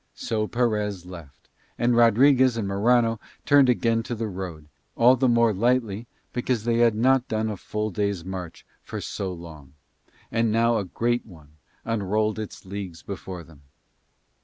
So Perez left and Rodriguez and Morano turned again to the road, all the more lightly because they had not done a full day's march for so long, and now a great one unrolled its leagues before them.